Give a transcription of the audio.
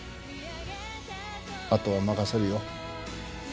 あとは任せるよ。